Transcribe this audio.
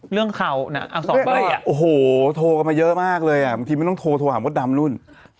เรื่องไหน